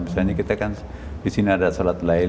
misalnya kita kan disini ada sholat layl